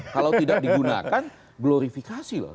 kalau tidak digunakan glorifikasi loh